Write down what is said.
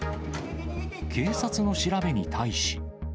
警察の調べに対し。